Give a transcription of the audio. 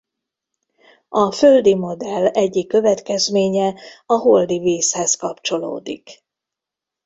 A Földi-modell egyik következménye a holdi vízhez kapcsolódik.